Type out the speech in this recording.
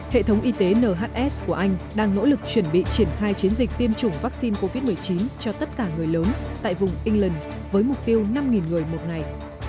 hệ thống y tế nhs của anh đang nỗ lực chuẩn bị triển khai chiến dịch tiêm chủng vaccine covid một mươi chín cho tất cả người lớn tại vùng england với mục tiêu năm người một ngày